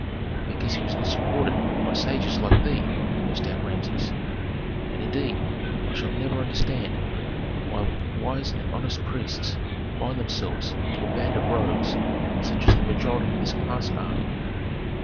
"Because he was not supported by sages like thee!" burst out Rameses. "And, indeed, I shall never understand why wise and honest priests bind themselves to a band of rogues, such as the majority of this class are."